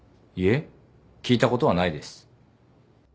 いえ聞いたことはないです。